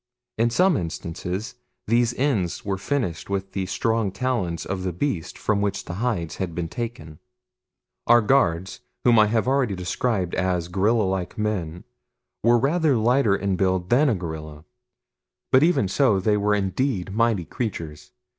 In some instances these ends were finished with the strong talons of the beast from which the hides had been taken. Our guards, whom I already have described as gorilla like men, were rather lighter in build than a gorilla, but even so they were indeed mighty creatures.